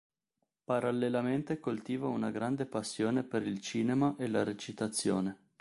Parallelamente coltiva una grande passione per il cinema e la recitazione.